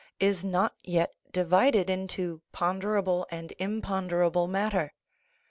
229) is not yet divided into ponderable and imponderable matter.